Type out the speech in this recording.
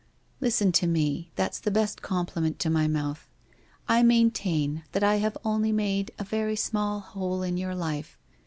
Listen to me, that's the best compliment to my mouth ! I maintain that I have only made a very small hole in your life.